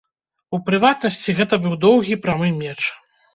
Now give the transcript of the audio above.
У прыватнасці, гэта быў доўгі прамы меч.